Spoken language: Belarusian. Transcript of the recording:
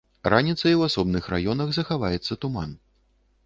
Раніцай у асобных раёнах захаваецца туман.